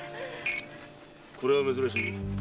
これは珍しい。